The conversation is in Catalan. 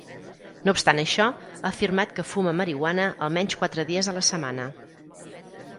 No obstant això, ha afirmat que fuma marihuana almenys quatre dies a la setmana.